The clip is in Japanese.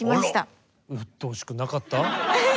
うっとうしくなかった？